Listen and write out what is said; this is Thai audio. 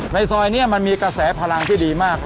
ในซอยนี้มันมีกระแสพลังที่ดีมาก